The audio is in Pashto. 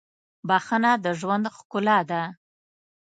• بښنه د ژوند ښکلا ده.